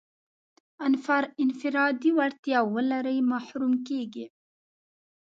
انفرادي وړتیا ولري محروم کېږي.